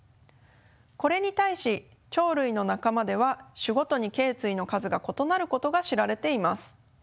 これに対し鳥類の仲間では種ごとにけい椎の数が異なることが知られています。